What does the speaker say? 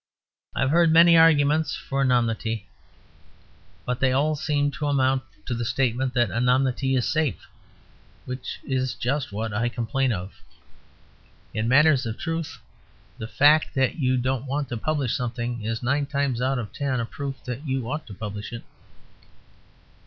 I have heard many arguments for anonymity; but they all seem to amount to the statement that anonymity is safe, which is just what I complain of. In matters of truth the fact that you don't want to publish something is, nine times out of ten, a proof that you ought to publish it.